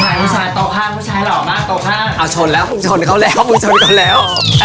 เอ้าชนแล้วชนเขาแล้วชนเขาแล้ว